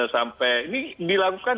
sampai ini dilakukan